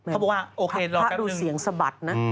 เพราะว่าโอเครอแปปนึงข้าดูเสียงสะบัดนะ